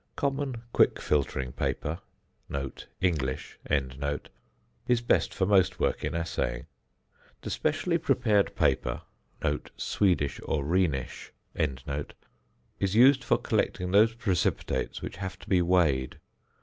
Common quick filtering paper (English) is best for most work in assaying. The specially prepared paper (Swedish or Rhenish) is used for collecting those precipitates which have to be weighed.